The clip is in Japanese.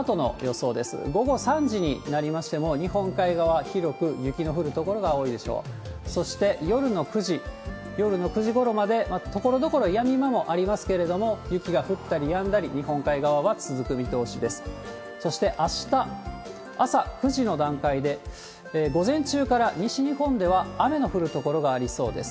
そして夜の９時、夜の９時ごろまでところどころやみ間もありますけれども、雪が降ったりやんだり、日本海側は続く見通しです。